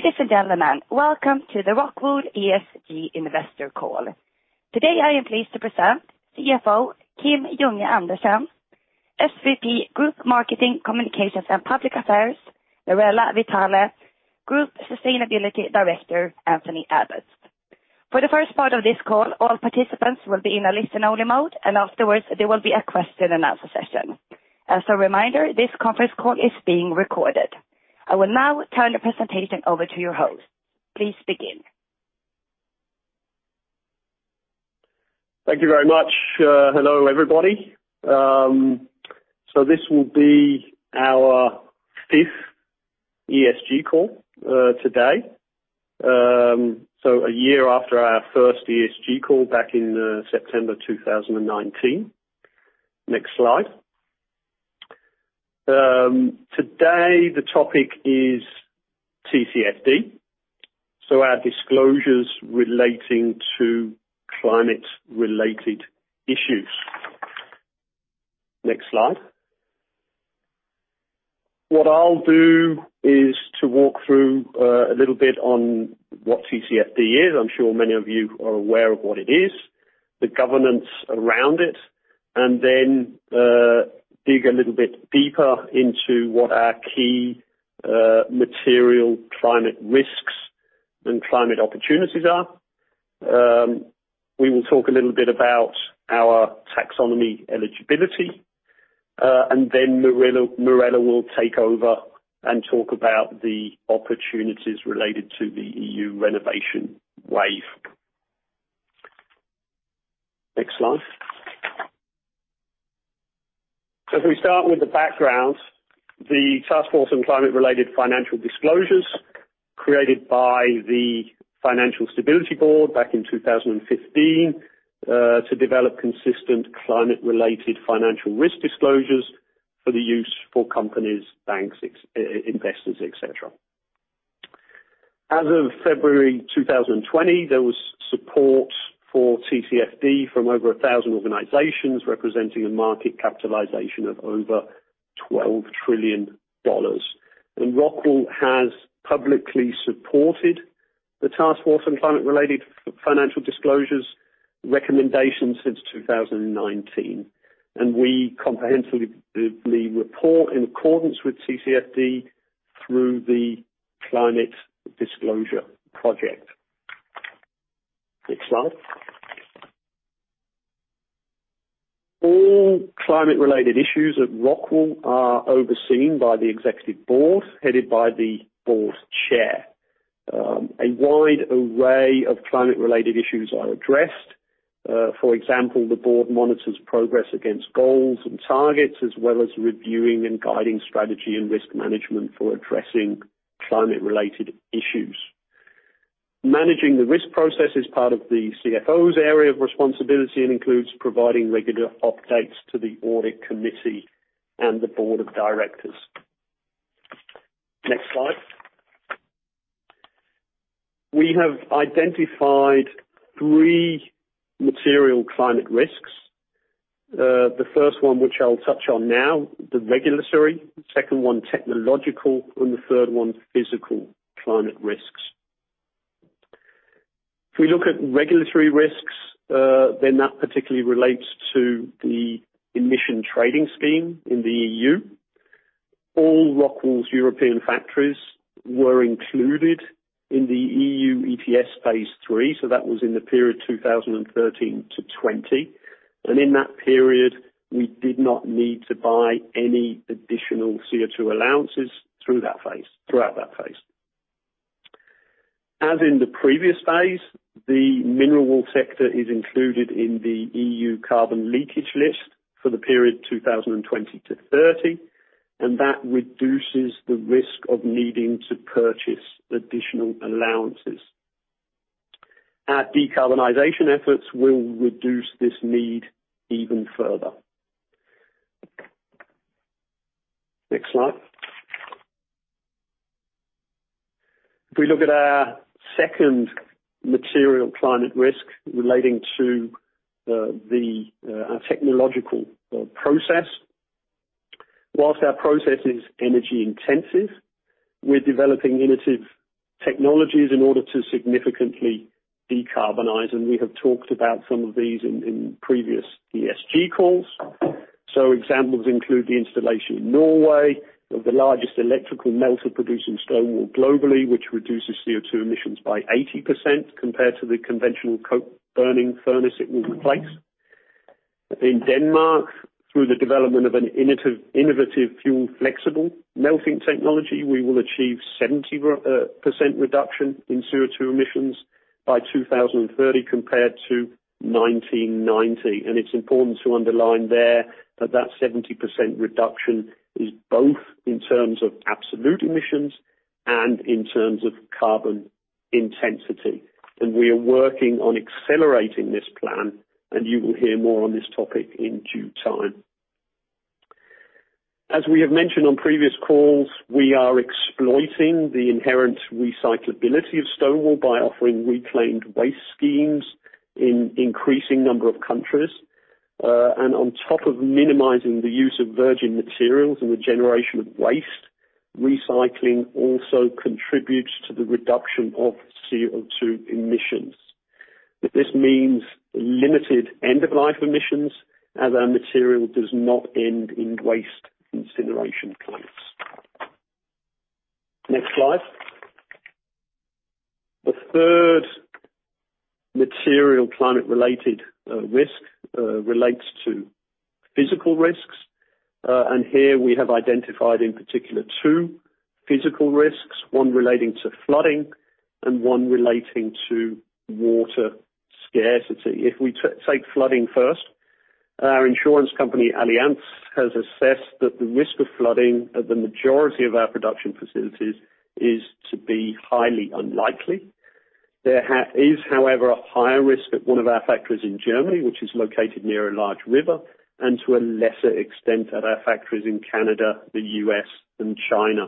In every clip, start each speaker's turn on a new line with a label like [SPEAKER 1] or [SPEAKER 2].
[SPEAKER 1] Ladies and gentlemen, welcome to the Rockwool ESG Investor Call. Today I am pleased to present CFO Kim Junge Andersen, SVP Group Marketing Communications and Public Affairs Mirella Vitale, Group Sustainability Director Anthony Abbotts. For the first part of this call, all participants will be in a listen-only mode, and afterwards there will be a question-and-answer session. As a reminder, this conference call is being recorded. I will now turn the presentation over to your hosts. Please begin.
[SPEAKER 2] Thank you very much. Hello everybody. So this will be our fifth ESG call today, so a year after our first ESG call back in September 2019. Next slide. Today the topic is TCFD, so our disclosures relating to climate-related issues. Next slide. What I'll do is to walk through a little bit on what TCFD is. I'm sure many of you are aware of what it is, the governance around it, and then dig a little bit deeper into what our key material climate risks and climate opportunities are. We will talk a little bit about our taxonomy eligibility, and then Mirella will take over and talk about the opportunities related to the EU renovation wave. Next slide. If we start with the background, the Task Force on Climate-Related Financial Disclosures created by the Financial Stability Board back in 2015 to develop consistent climate-related financial risk disclosures for the use for companies, banks, investors, etc. As of February 2020, there was support for TCFD from over 1,000 organizations representing a market capitalization of over $12 trillion, and Rockwool has publicly supported the Task Force on Climate-Related Financial Disclosures recommendations since 2019, and we comprehensively report in accordance with TCFD through the Carbon Disclosure Project. Next slide. All climate-related issues at Rockwool are overseen by the Executive Board headed by the Board Chair. A wide array of climate-related issues are addressed. For example, the Board monitors progress against goals and targets, as well as reviewing and guiding strategy and risk management for addressing climate-related issues. Managing the risk process is part of the CFO's area of responsibility and includes providing regular updates to the Audit Committee and the Board of Directors. Next slide. We have identified three material climate risks. The first one, which I'll touch on now, is regulatory. The second one, technological, and the third one, physical climate risks. If we look at regulatory risks, then that particularly relates to the emissions trading scheme in the EU. All Rockwool's European factories were included in the EU ETS phase III, so that was in the period 2013-2020. And in that period, we did not need to buy any additional CO2 allowances throughout that phase. As in the previous phase, the mineral wool sector is included in the EU Carbon Leakage List for the period 2020-2030, and that reduces the risk of needing to purchase additional allowances. Our decarbonization efforts will reduce this need even further. Next slide. If we look at our second material climate risk relating to our technological process, while our process is energy intensive, we're developing innovative technologies in order to significantly decarbonize. And we have talked about some of these in previous ESG calls. So examples include the installation in Norway of the largest electrical melter producing stone wool globally, which reduces CO2 emissions by 80% compared to the conventional coal burning furnace it will replace. In Denmark, through the development of an innovative fuel-flexible melting technology, we will achieve 70% reduction in CO2 emissions by 2030 compared to 1990. And it's important to underline there that that 70% reduction is both in terms of absolute emissions and in terms of carbon intensity. And we are working on accelerating this plan, and you will hear more on this topic in due time. As we have mentioned on previous calls, we are exploiting the inherent recyclability of stone wool by offering reclaimed waste schemes in increasing number of countries, and on top of minimizing the use of virgin materials and the generation of waste, recycling also contributes to the reduction of CO2 emissions. This means limited end-of-life emissions as our material does not end in waste incineration plants. Next slide. The third material climate-related risk relates to physical risks, and here we have identified in particular two physical risks, one relating to flooding and one relating to water scarcity. If we take flooding first, our insurance company Allianz has assessed that the risk of flooding at the majority of our production facilities is to be highly unlikely. There is, however, a higher risk at one of our factories in Germany, which is located near a large river, and to a lesser extent at our factories in Canada, the U.S., and China.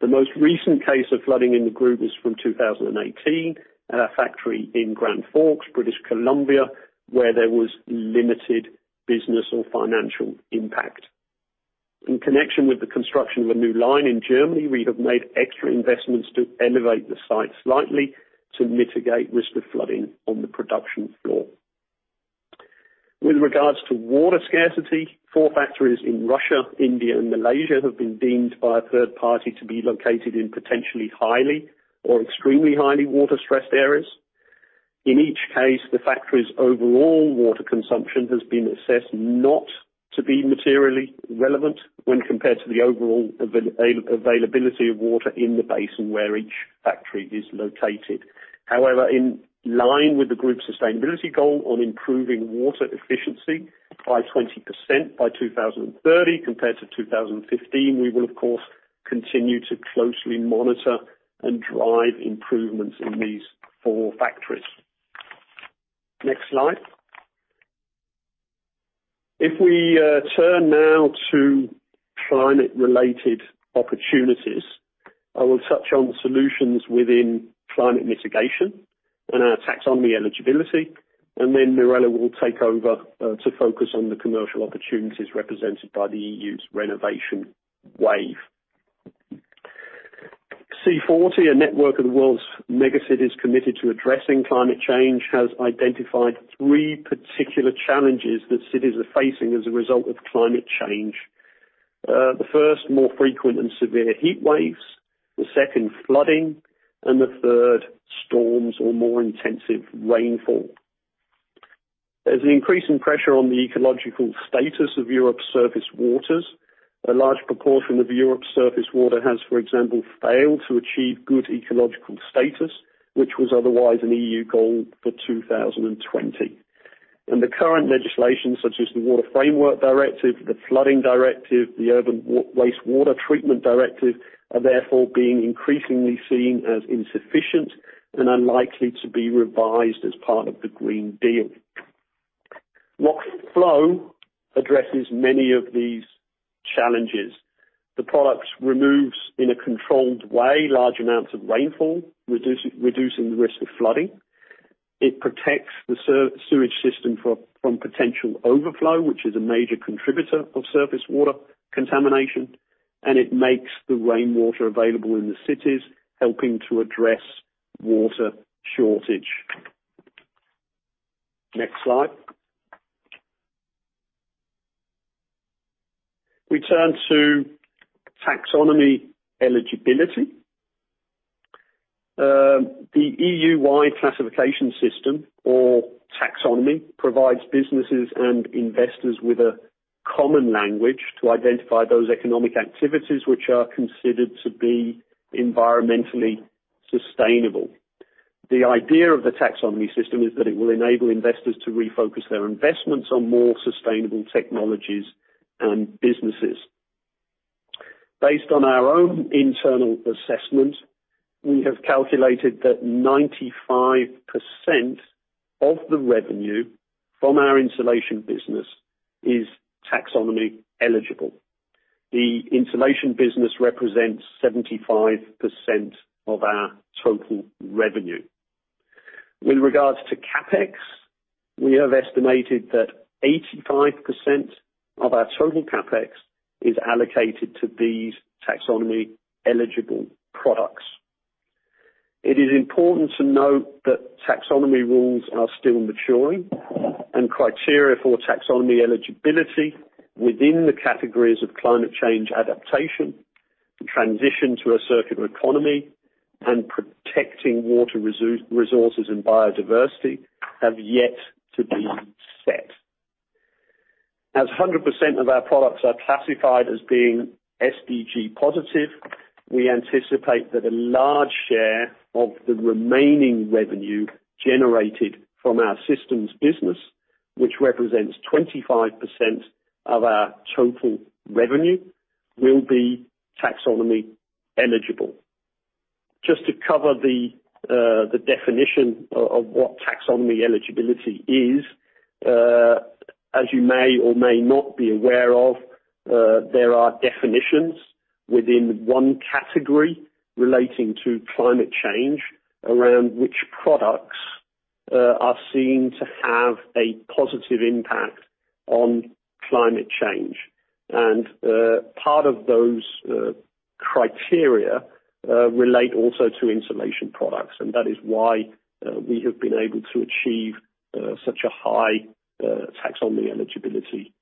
[SPEAKER 2] The most recent case of flooding in the group is from 2018 at our factory in Grand Forks, British Columbia, where there was limited business or financial impact. In connection with the construction of a new line in Germany, we have made extra investments to elevate the site slightly to mitigate risk of flooding on the production floor. With regards to water scarcity, four factories in Russia, India, and Malaysia have been deemed by a third party to be located in potentially highly or extremely highly water-stressed areas. In each case, the factory's overall water consumption has been assessed not to be materially relevant when compared to the overall availability of water in the basin where each factory is located. However, in line with the group's sustainability goal on improving water efficiency by 20% by 2030 compared to 2015, we will, of course, continue to closely monitor and drive improvements in these four factories. Next slide. If we turn now to climate-related opportunities, I will touch on solutions within climate mitigation and our Taxonomy eligibility, and then Mirella will take over to focus on the commercial opportunities represented by the EU's Renovation Wave. C40, a network of the world's megacities committed to addressing climate change, has identified three particular challenges that cities are facing as a result of climate change. The first, more frequent and severe heat waves. The second, flooding. The third, storms or more intensive rainfall. There's an increase in pressure on the ecological status of Europe's surface waters. A large proportion of Europe's surface water has, for example, failed to achieve good ecological status, which was otherwise an EU goal for 2020. The current legislation, such as the Water Framework Directive, the Floods Directive, the Urban Wastewater Treatment Directive, are therefore being increasingly seen as insufficient and unlikely to be revised as part of the Green Deal. Rockflow addresses many of these challenges. The product removes, in a controlled way, large amounts of rainfall, reducing the risk of flooding. It protects the sewage system from potential overflow, which is a major contributor of surface water contamination, and it makes the rainwater available in the cities, helping to address water shortage. Next slide. We turn to taxonomy eligibility. The EU-wide classification system, or taxonomy, provides businesses and investors with a common language to identify those economic activities which are considered to be environmentally sustainable. The idea of the taxonomy system is that it will enable investors to refocus their investments on more sustainable technologies and businesses. Based on our own internal assessment, we have calculated that 95% of the revenue from our insulation business is taxonomy eligible. The insulation business represents 75% of our total revenue. With regards to CapEx, we have estimated that 85% of our total CapEx is allocated to these taxonomy eligible products. It is important to note that taxonomy rules are still maturing, and criteria for taxonomy eligibility within the categories of climate change adaptation, transition to a circular economy, and protecting water resources and biodiversity have yet to be set. As 100% of our products are classified as being SDG positive, we anticipate that a large share of the remaining revenue generated from our systems business, which represents 25% of our total revenue, will be taxonomy eligible. Just to cover the definition of what taxonomy eligibility is, as you may or may not be aware of, there are definitions within one category relating to climate change around which products are seen to have a positive impact on climate change, and part of those criteria relate also to insulation products, and that is why we have been able to achieve such a high taxonomy eligibility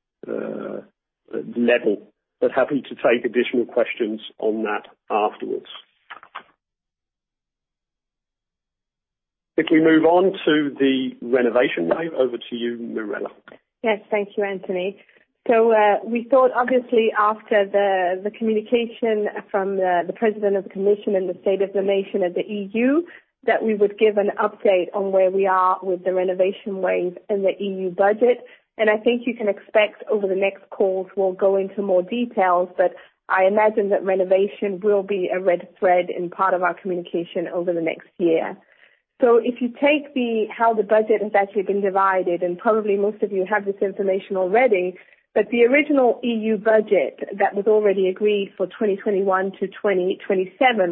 [SPEAKER 2] level, but happy to take additional questions on that afterwards. If we move on to the Renovation Wave, over to you, Mirella. Yes, thank you, Anthony.
[SPEAKER 3] So we thought, obviously, after the communication from the President of the Commission and the State of the Union at the EU, that we would give an update on where we are with the Renovation Wave and the EU budget. And I think you can expect over the next calls we'll go into more details, but I imagine that renovation will be a red thread in part of our communication over the next year. So if you take how the budget has actually been divided, and probably most of you have this information already, but the original EU budget that was already agreed for 2021-2027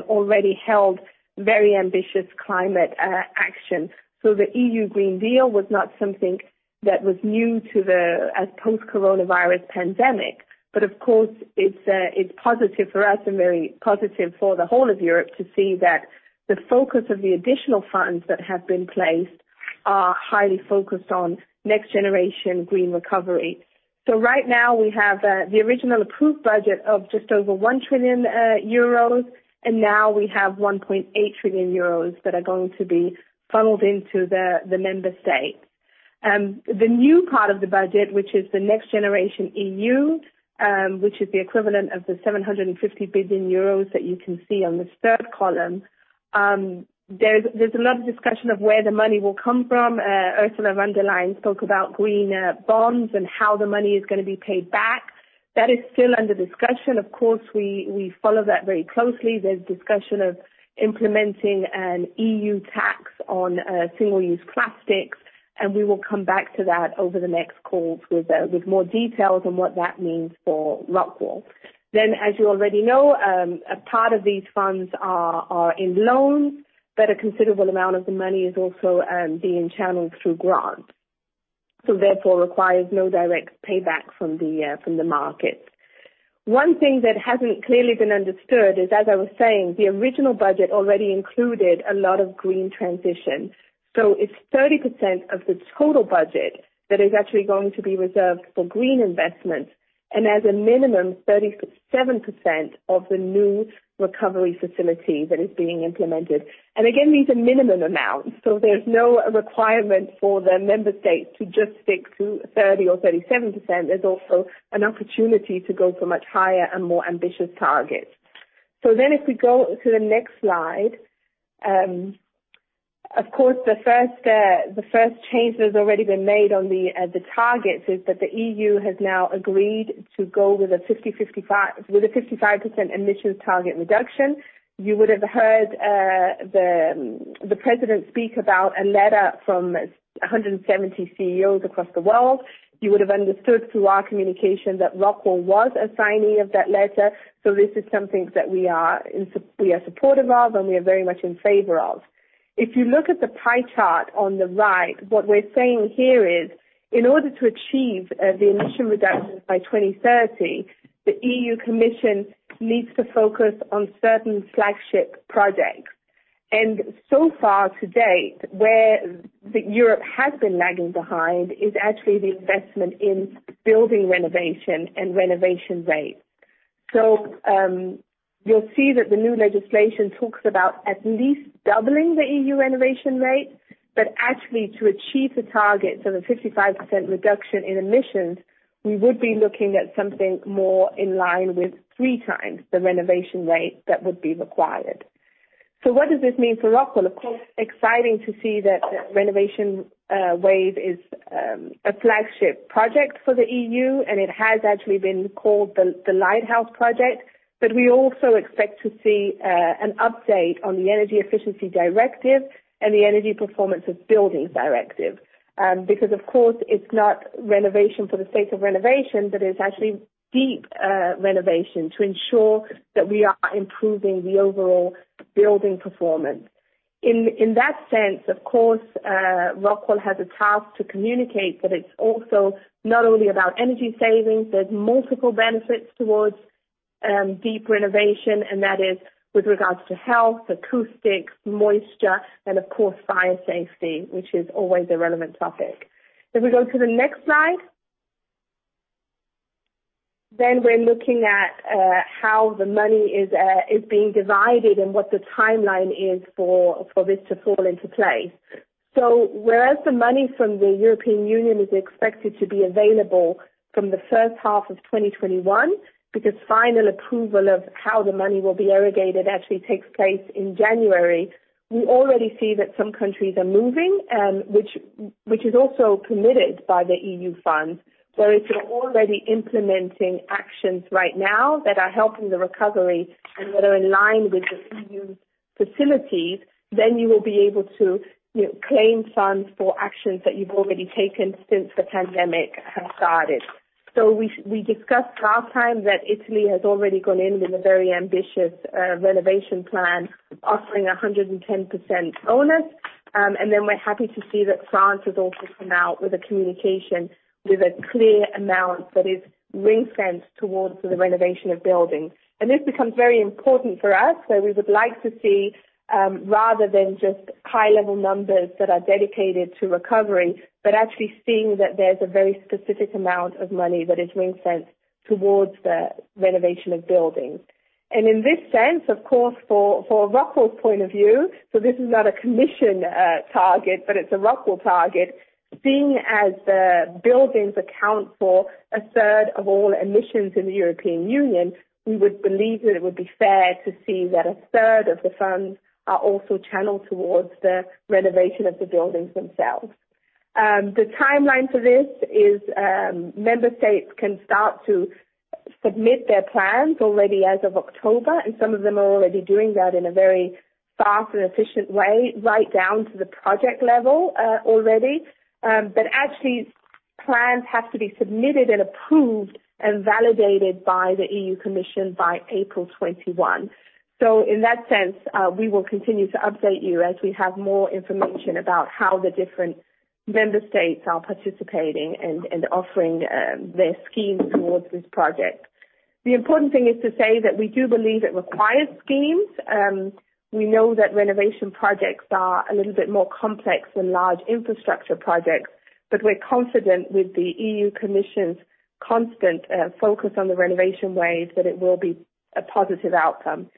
[SPEAKER 3] already held very ambitious climate action. So the EU Green Deal was not something that was new to the post-coronavirus pandemic, but of course, it's positive for us and very positive for the whole of Europe to see that the focus of the additional funds that have been placed are highly focused on next-generation green recovery. So right now, we have the original approved budget of just over 1 trillion euros, and now we have 1.8 trillion euros that are going to be funneled into the member states. The new part of the budget, which is the next-generation EU, which is the equivalent of the 750 billion euros that you can see on the third column, there's a lot of discussion of where the money will come from. Ursula von der Leyen spoke about green bonds and how the money is going to be paid back. That is still under discussion. Of course, we follow that very closely. There's discussion of implementing an EU tax on single-use plastics, and we will come back to that over the next calls with more details on what that means for Rockwool. Then, as you already know, a part of these funds are in loans, but a considerable amount of the money is also being channeled through grants. So therefore, it requires no direct payback from the market. One thing that hasn't clearly been understood is, as I was saying, the original budget already included a lot of green transition. So it's 30% of the total budget that is actually going to be reserved for green investments, and as a minimum, 37% of the new recovery facility that is being implemented. And again, these are minimum amounts, so there's no requirement for the member states to just stick to 30% or 37%. There's also an opportunity to go for much higher and more ambitious targets. So then, if we go to the next slide, of course, the first change that has already been made on the targets is that the EU has now agreed to go with a 55% emissions target reduction. You would have heard the President speak about a letter from 170 CEOs across the world. You would have understood through our communication that Rockwool was a signing of that letter. So this is something that we are supportive of and we are very much in favor of. If you look at the pie chart on the right, what we're saying here is, in order to achieve the emission reduction by 2030, the EU Commission needs to focus on certain flagship projects. So far to date, where Europe has been lagging behind is actually the investment in building renovation and renovation rates. You'll see that the new legislation talks about at least doubling the EU renovation rate, but actually, to achieve the targets of a 55% reduction in emissions, we would be looking at something more in line with three times the renovation rate that would be required. What does this mean for Rockwool? Of course, it's exciting to see that the Renovation Wave is a flagship project for the EU, and it has actually been called the Lighthouse Project. But we also expect to see an update on the Energy Efficiency Directive and the Energy Performance of Buildings Directive. Because, of course, it's not renovation for the sake of renovation, but it's actually deep renovation to ensure that we are improving the overall building performance. In that sense, of course, Rockwool has a task to communicate that it's also not only about energy savings. There's multiple benefits towards deep renovation, and that is with regards to health, acoustics, moisture, and of course, fire safety, which is always a relevant topic. If we go to the next slide, then we're looking at how the money is being divided and what the timeline is for this to fall into place. So whereas the money from the European Union is expected to be available from the first half of 2021, because final approval of how the money will be allocated actually takes place in January, we already see that some countries are moving, which is also permitted by the EU funds. So if you're already implementing actions right now that are helping the recovery and that are in line with the EU facilities, then you will be able to claim funds for actions that you've already taken since the pandemic has started. So we discussed last time that Italy has already gone in with a very ambitious renovation plan, offering a 110% bonus. And then we're happy to see that France has also come out with a communication with a clear amount that is ring-fenced towards the renovation of buildings. And this becomes very important for us, so we would like to see, rather than just high-level numbers that are dedicated to recovery, but actually seeing that there's a very specific amount of money that is ring-fenced towards the renovation of buildings. In this sense, of course, for Rockwool's point of view, so this is not a Commission target, but it's a Rockwool target, seeing as the buildings account for a third of all emissions in the European Union, we would believe that it would be fair to see that a third of the funds are also channeled towards the renovation of the buildings themselves. The timeline for this is member states can start to submit their plans already as of October, and some of them are already doing that in a very fast and efficient way, right down to the project level already. But actually, plans have to be submitted and approved and validated by the EU Commission by April 21. So in that sense, we will continue to update you as we have more information about how the different member states are participating and offering their schemes towards this project. The important thing is to say that we do believe it requires schemes. We know that renovation projects are a little bit more complex than large infrastructure projects, but we're confident with the EU Commission's constant focus on the Renovation Wave that it will be a positive outcome.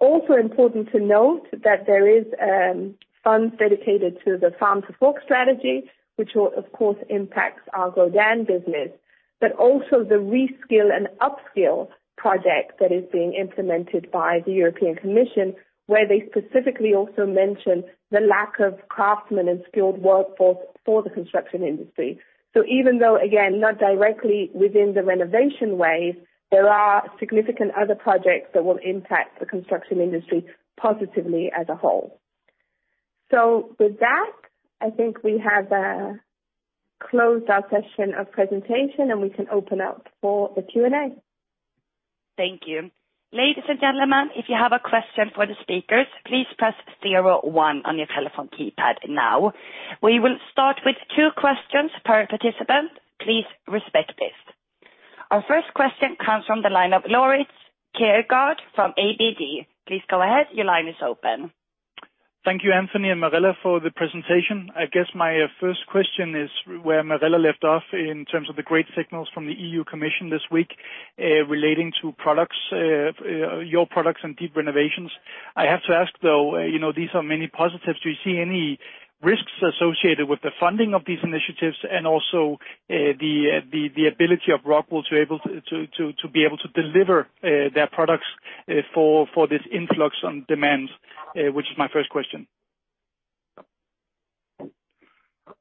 [SPEAKER 3] Also important to note that there are funds dedicated to the Farm to Fork Strategy, which of course impacts our Grodan business, but also the Reskill and Upskill project that is being implemented by the European Commission, where they specifically also mention the lack of craftsmen and skilled workforce for the construction industry. So even though, again, not directly within the Renovation Wave, there are significant other projects that will impact the construction industry positively as a whole. So with that, I think we have closed our session of presentation, and we can open up for the Q&A.
[SPEAKER 1] Thank you. Ladies and gentlemen, if you have a question for the speakers, please press 01 on your telephone keypad now. We will start with two questions per participant. Please respect this. Our first question comes from the line of Lauritz Keergaard from ABG. Please go ahead. Your line is open.
[SPEAKER 4] Thank you, Anthony and Mirella, for the presentation. I guess my first question is where Mirella left off in terms of the great signals from the EU Commission this week relating to your products and deep renovations. I have to ask, though, these are many positives. Do you see any risks associated with the funding of these initiatives and also the ability of Rockwool to be able to deliver their products for this influx on demand, which is my first question?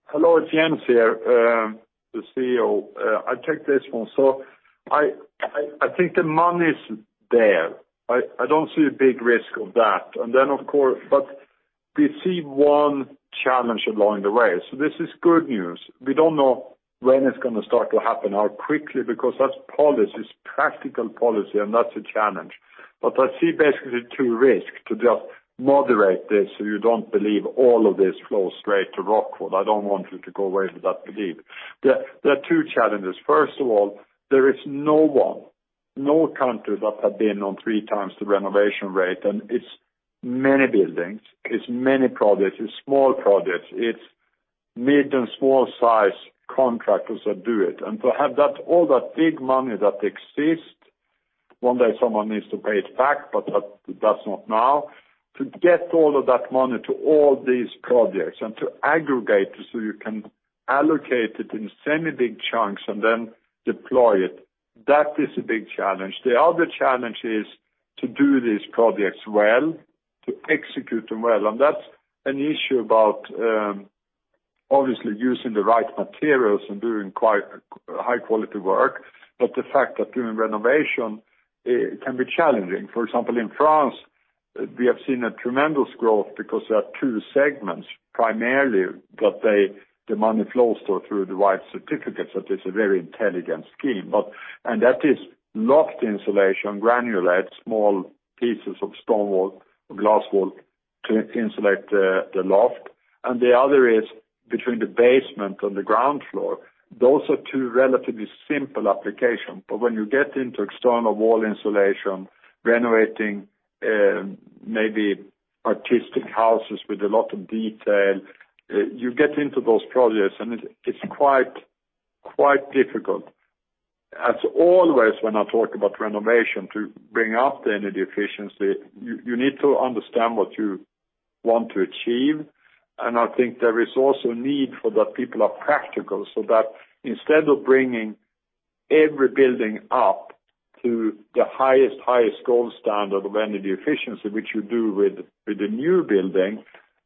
[SPEAKER 5] Hello, it's Jens here, the CEO. I'll take this one. So I think the money's there. I don't see a big risk of that. And then, of course, but we see one challenge along the way. So this is good news. We don't know when it's going to start to happen, how quickly, because that's policy, it's practical policy, and that's a challenge. But I see basically two risks to just moderate this so you don't believe all of this flows straight to Rockwool. I don't want you to go away with that belief. There are two challenges. First of all, there is no one, no country that has been on three times the renovation rate, and it's many buildings, it's many projects, it's small projects, it's mid and small-sized contractors that do it. And to have all that big money that exists, one day someone needs to pay it back, but that's not now, to get all of that money to all these projects and to aggregate it so you can allocate it in semi-big chunks and then deploy it, that is a big challenge. The other challenge is to do these projects well, to execute them well. And that's an issue about obviously using the right materials and doing high-quality work, but the fact that doing renovation can be challenging. For example, in France, we have seen a tremendous growth because there are two segments primarily that the money flows through the white certificates. That is a very intelligent scheme. That is loft insulation, granulate, small pieces of stone wool or glass wool to insulate the loft. The other is between the basement and the ground floor. Those are two relatively simple applications. When you get into external wall insulation, renovating maybe historic houses with a lot of detail, you get into those projects, and it's quite difficult. As always, when I talk about renovation to bring up the energy efficiency, you need to understand what you want to achieve. I think there is also a need for that people are practical. So that instead of bringing every building up to the highest, highest gold standard of energy efficiency, which you do with the new building,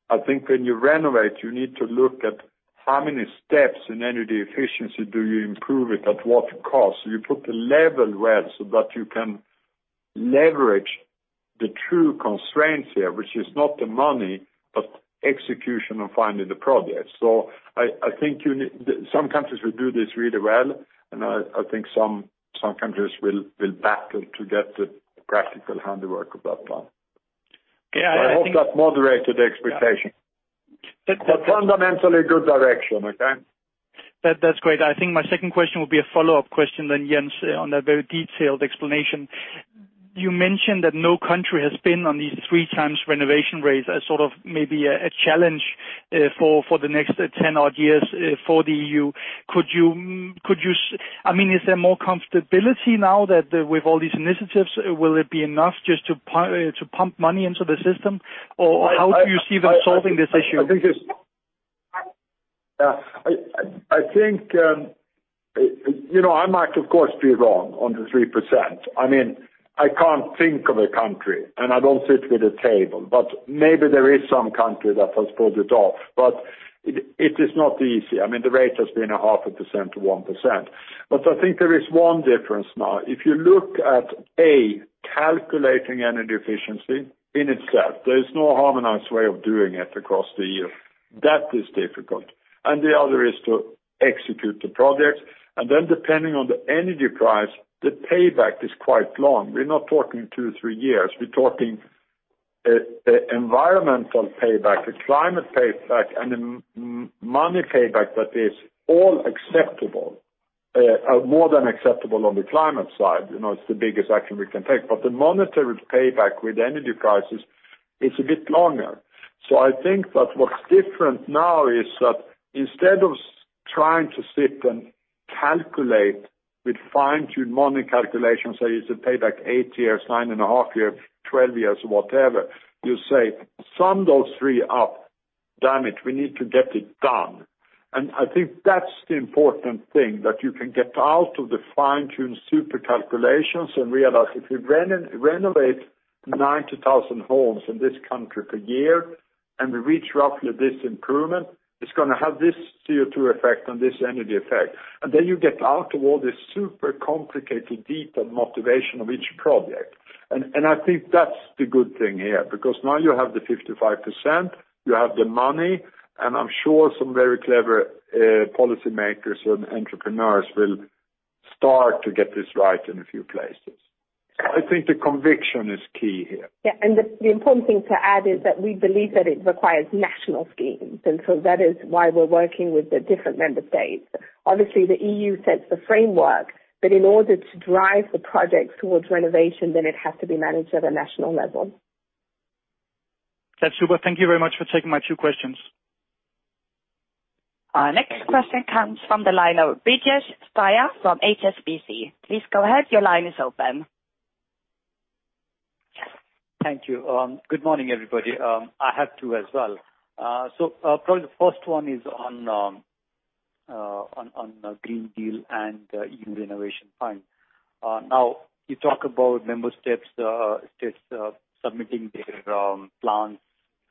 [SPEAKER 5] I think when you renovate, you need to look at how many steps in energy efficiency do you improve it at what cost. So you put the level well so that you can leverage the true constraints here, which is not the money, but execution and finding the projects. So I think some countries will do this really well, and I think some countries will battle to get the practical handiwork of that plan. I hope that moderated the expectation. But fundamentally, good direction, okay?
[SPEAKER 4] That's great. I think my second question will be a follow-up question then, Jens, on that very detailed explanation. You mentioned that no country has been on these three times renovation rates as sort of maybe a challenge for the next 10-odd years for the EU. I mean, is there more comfortability now that with all these initiatives, will it be enough just to pump money into the system? Or how do you see them solving this issue? I think I might, of course, be wrong on the 3%. I mean, I can't think of a country, and I don't sit with a table, but maybe there is some country that has pulled it off. But it is not easy. I mean, the rate has been 0.5%-1%. But I think there is one difference now. If you look at, A, calculating energy efficiency in itself, there is no harmonized way of doing it across the EU. That is difficult. The other is to execute the projects. Then depending on the energy price, the payback is quite long. We're not talking two, three years. We're talking environmental payback, the climate payback, and money payback that is all acceptable, more than acceptable on the climate side. It's the biggest action we can take. But the monetary payback with energy prices is a bit longer. I think that what's different now is that instead of trying to sit and calculate with fine-tuned money calculations, say it's a payback eight years, nine and a half years, 12 years, whatever, you say, "Sum those three up. Damn it, we need to get it done." And I think that's the important thing, that you can get out of the fine-tuned super calculations and realize if you renovate 90,000 homes in this country per year and we reach roughly this improvement, it's going to have this CO2 effect and this energy effect. And then you get out of all this super complicated, deeper motivation of each project. And I think that's the good thing here, because now you have the 55%, you have the money, and I'm sure some very clever policymakers and entrepreneurs will start to get this right in a few places. I think the conviction is key here. Yeah. And the important thing to add is that we believe that it requires national schemes. And so that is why we're working with the different member states. Obviously, the EU sets the framework, but in order to drive the projects towards renovation, then it has to be managed at a national level. That's super. Thank you very much for taking my two questions.
[SPEAKER 1] Our next question comes from the line of Brijesh Siya from HSBC. Please go ahead. Your line is open.
[SPEAKER 6] Thank you. Good morning, everybody. I have two as well. So probably the first one is on Green Deal and EU Renovation Fund. Now, you talk about member states submitting their plans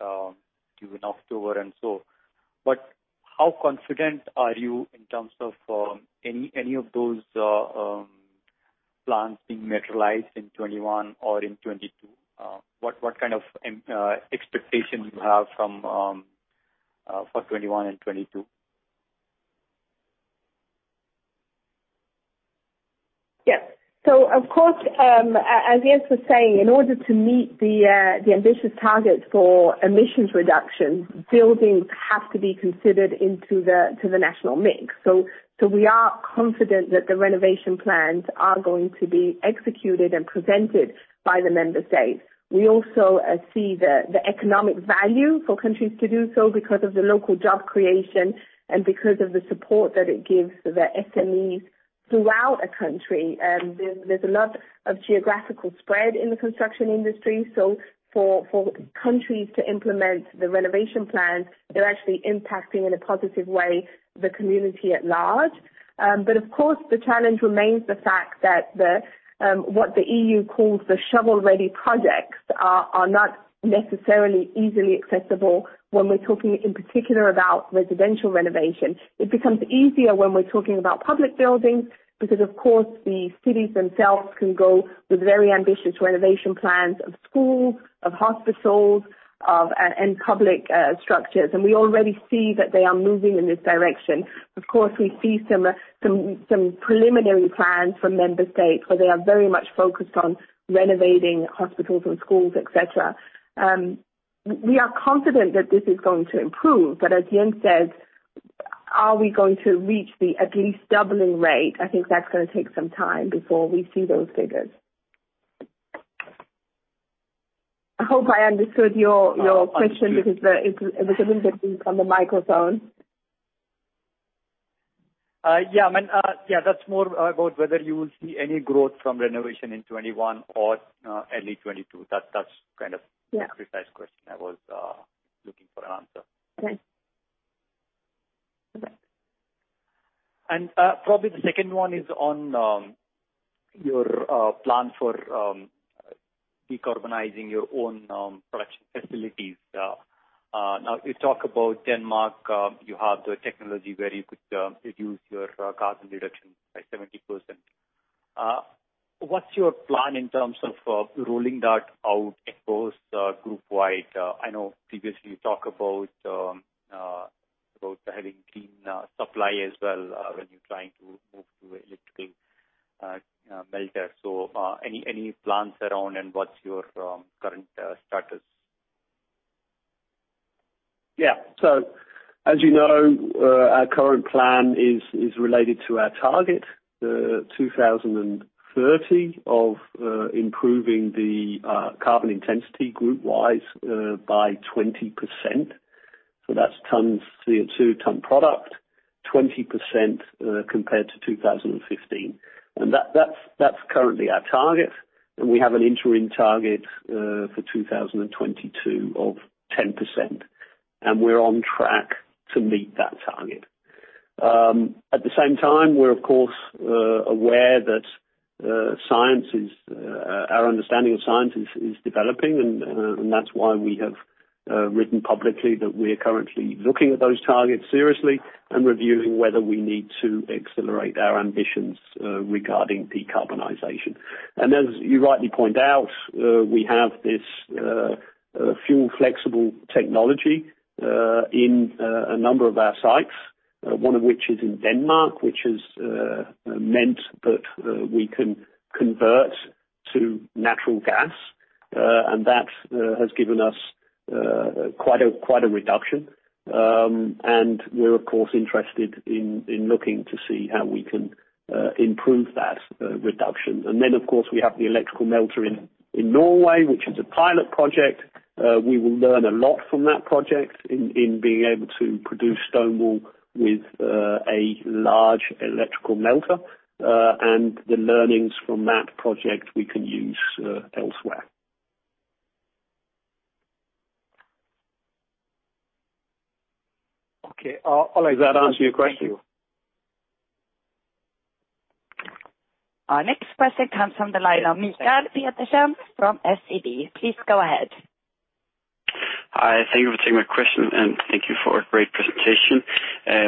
[SPEAKER 6] during October and so. But how confident are you in terms of any of those plans being materialized in 2021 or in 2022? What kind of expectation do you have for 2021 and 2022?
[SPEAKER 3] Yes. So of course, as Jens was saying, in order to meet the ambitious target for emissions reduction, buildings have to be considered into the national mix. We are confident that the renovation plans are going to be executed and presented by the member states. We also see the economic value for countries to do so because of the local job creation and because of the support that it gives the SMEs throughout a country. There's a lot of geographical spread in the construction industry. For countries to implement the renovation plans, they're actually impacting in a positive way the community at large. Of course, the challenge remains the fact that what the EU calls the shovel-ready projects are not necessarily easily accessible when we're talking in particular about residential renovation. It becomes easier when we're talking about public buildings because, of course, the cities themselves can go with very ambitious renovation plans of schools, of hospitals, and public structures. We already see that they are moving in this direction. Of course, we see some preliminary plans from member states where they are very much focused on renovating hospitals and schools, etc. We are confident that this is going to improve. But as Jens said, are we going to reach the at least doubling rate? I think that's going to take some time before we see those figures. I hope I understood your question because it was a little bit loose on the microphone.
[SPEAKER 6] Yeah. Yeah. That's more about whether you will see any growth from renovation in 2021 or early 2022. That's kind of the precise question I was looking for an answer. And probably the second one is on your plan for decarbonizing your own production facilities. Now, you talk about Denmark. You have the technology where you could reduce your carbon reduction by 70%. What's your plan in terms of rolling that out across group-wide? I know previously you talked about having green supply as well when you're trying to move to electrical melter. So any plans around and what's your current status?
[SPEAKER 2] Yeah. So as you know, our current plan is related to our target, the 2030, of improving the carbon intensity group-wise by 20%. So that's ton CO2, ton product, 20% compared to 2015. And that's currently our target. And we have an interim target for 2022 of 10%. And we're on track to meet that target. At the same time, we're, of course, aware that our understanding of science is developing, and that's why we have written publicly that we are currently looking at those targets seriously and reviewing whether we need to accelerate our ambitions regarding decarbonization. As you rightly point out, we have this fuel-flexible technology in a number of our sites, one of which is in Denmark, which has meant that we can convert to natural gas. That has given us quite a reduction. We're, of course, interested in looking to see how we can improve that reduction. Then, of course, we have the electrical melter in Norway, which is a pilot project. We will learn a lot from that project in being able to produce stone wool with a large electrical melter. The learnings from that project, we can use elsewhere.
[SPEAKER 5] Okay. I'll let that answer your question.
[SPEAKER 1] Our next question comes from the line of Mikael Petersen from SEB. Please go ahead.
[SPEAKER 7] Hi. Thank you for taking my question, and thank you for a great presentation.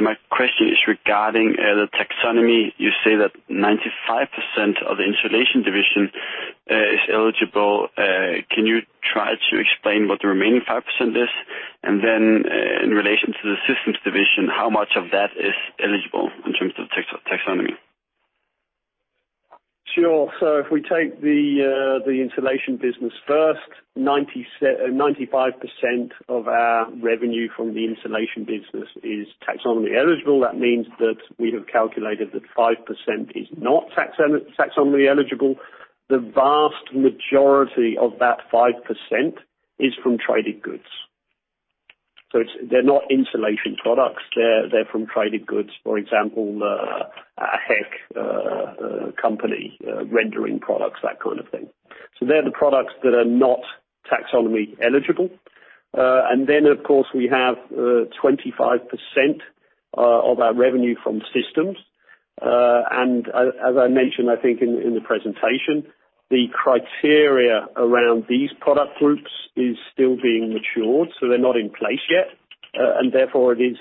[SPEAKER 7] My question is regarding the taxonomy. You say that 95% of the insulation division is eligible. Can you try to explain what the remaining 5% is, and then in relation to the systems division, how much of that is eligible in terms of taxonomy?
[SPEAKER 2] Sure, so if we take the insulation business first, 95% of our revenue from the insulation business is taxonomy eligible. That means that we have calculated that 5% is not taxonomy eligible. The vast majority of that 5% is from traded goods, so they're not insulation products. They're from traded goods, for example, a tech company, rendering products, that kind of thing, so they're the products that are not taxonomy eligible, and then, of course, we have 25% of our revenue from systems, and as I mentioned, I think in the presentation, the criteria around these product groups is still being matured, so they're not in place yet. Therefore, it is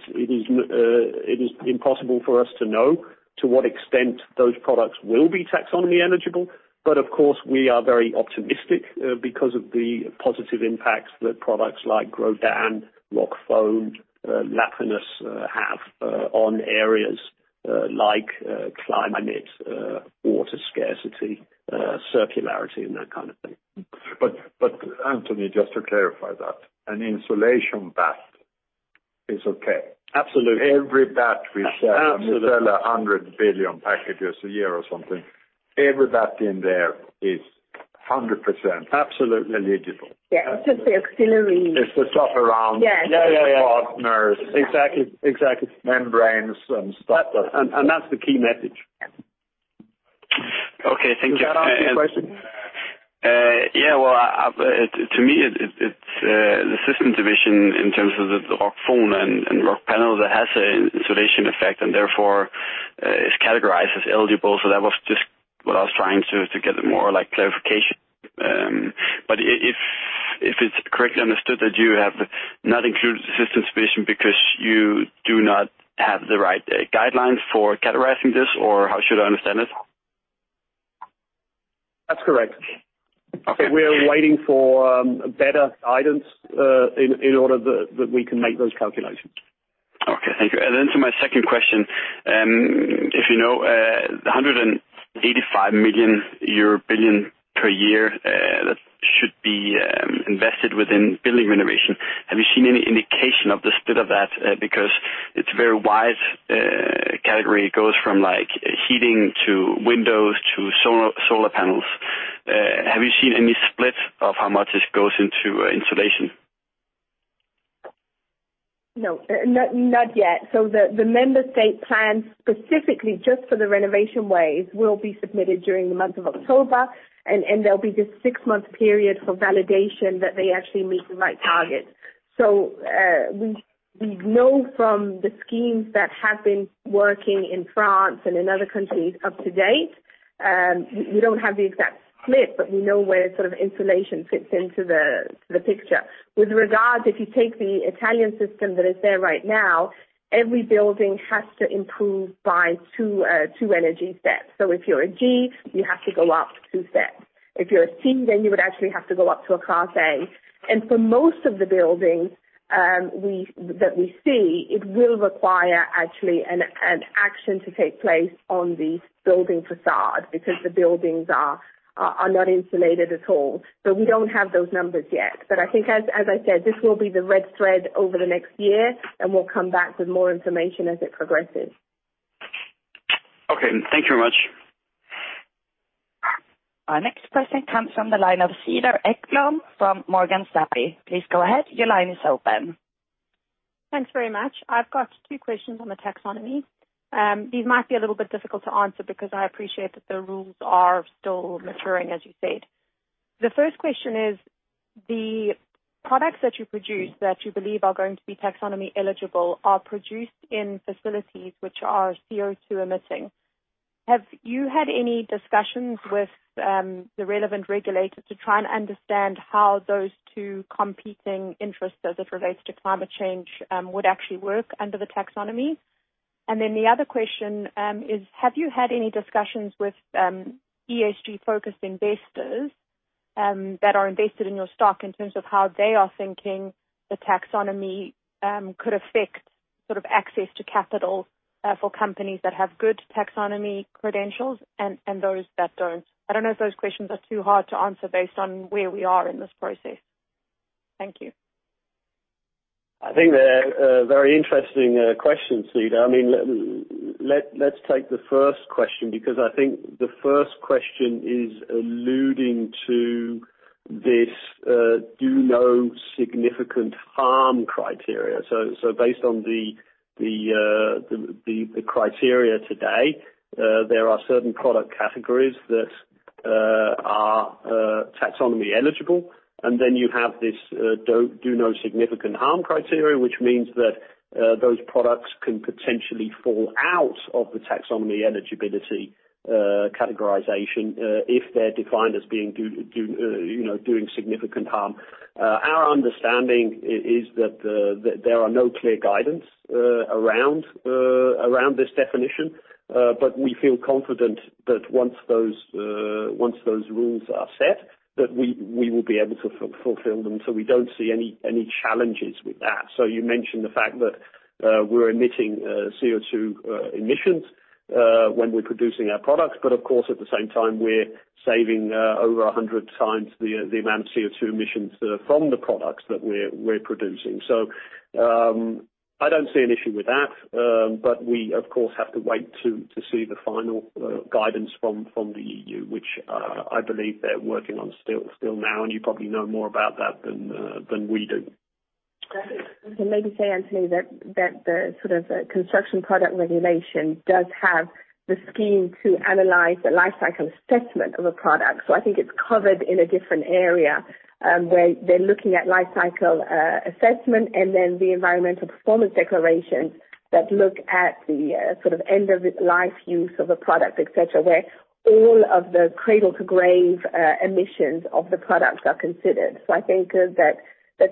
[SPEAKER 2] impossible for us to know to what extent those products will be taxonomy eligible. But of course, we are very optimistic because of the positive impacts that products like Grodan, Rockfon, Lapinus have on areas like climate, water scarcity, circularity, and that kind of thing.
[SPEAKER 5] But Anthony, just to clarify that, an insulation bat is okay. Absolutely. Every bat we sell, we sell 100 billion packages a year or something. Every bat in there is 100% eligible.
[SPEAKER 3] Yeah. It's just the auxiliary. It's the stuff around partners.
[SPEAKER 7] Exactly. Exactly. Membranes and stuff.
[SPEAKER 2] And that's the key messa ge.
[SPEAKER 7] Okay. Thank you. That answers the question. Yeah. To me, it's the systems division in terms of the Rockfon and Rockpanel that has an insulation effect and therefore is categorized as eligible. So that was just what I was trying to get more clarification. But if it's correctly understood that you have not included the systems division because you do not have the right guidelines for categorizing this, or how should I understand it?
[SPEAKER 2] That's correct. We're waiting for better guidance in order that we can make those calculations.
[SPEAKER 7] Okay. Thank you. And then to my second question, you know, 185 billion euro per year that should be invested within building renovation, have you seen any indication of the split of that? Because it's a very wide category. It goes from heating to windows to solar panels. Have you seen any split of how much it goes into insulation?
[SPEAKER 3] No. Not yet. So the member state plans specifically just for the Renovation Wave will be submitted during the month of October. And there'll be this six-month period for validation that they actually meet the right target. So we know from the schemes that have been working in France and in other countries up to date, we don't have the exact split, but we know where sort of insulation fits into the picture. With regard to if you take the Italian system that is there right now, every building has to improve by two energy steps. So if you're a G, you have to go up two steps. If you're a C, then you would actually have to go up to a Class A. And for most of the buildings that we see, it will require actually an action to take place on the building facade because the buildings are not insulated at all. So we don't have those numbers yet. But I think, as I said, this will be the red thread over the next year, and we'll come back with more information as it progresses.
[SPEAKER 7] Okay. Thank you very much.
[SPEAKER 1] Our next question comes from the line of Cedar Ekblom from Morgan Stanley. Please go ahead. Your line is open.
[SPEAKER 8] Thanks very much. I've got two questions on the taxonomy. These might be a little bit difficult to answer because I appreciate that the rules are still maturing, as you said. The first question is, the products that you produce that you believe are going to be taxonomy eligible are produced in facilities which are CO2 emitting. Have you had any discussions with the relevant regulators to try and understand how those two competing interests as it relates to climate change would actually work under the taxonomy? Then the other question is, have you had any discussions with ESG-focused investors that are invested in your stock in terms of how they are thinking the taxonomy could affect sort of access to capital for companies that have good taxonomy credentials and those that don't? I don't know if those questions are too hard to answer based on where we are in this process. Thank you.
[SPEAKER 2] I think they're very interesting questions, Cedar. I mean, let's take the first question because I think the first question is alluding to this Do No Significant Harm criteria. So based on the criteria today, there are certain product categories that are taxonomy eligible. And then you have this Do No Significant Harm criteria, which means that those products can potentially fall out of the taxonomy eligibility categorization if they're defined as being doing significant harm. Our understanding is that there are no clear guidance around this definition. But we feel confident that once those rules are set, that we will be able to fulfill them. We don't see any challenges with that. You mentioned the fact that we're emitting CO2 emissions when we're producing our products. Of course, at the same time, we're saving over 100 times the amount of CO2 emissions from the products that we're producing. I don't see an issue with that. We, of course, have to wait to see the final guidance from the EU, which I believe they're working on still now. You probably know more about that than we do.
[SPEAKER 8] I can maybe say, Anthony, that the sort of construction product regulation does have the scheme to analyze the life cycle assessment of a product. So I think it's covered in a different area where they're looking at life cycle assessment and then the environmental performance declarations that look at the sort of end-of-life use of a product, etc., where all of the cradle-to-grave emissions of the products are considered. So I think that